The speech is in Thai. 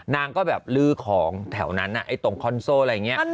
นางก็แบบลื้อของแถวนั้นไอ้ตรงคอนโซ่อะไรอย่างนี้